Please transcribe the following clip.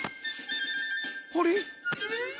あれ？